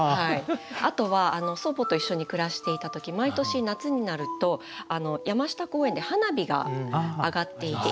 あとは祖母と一緒に暮らしていた時毎年夏になると山下公園で花火が上がっていて。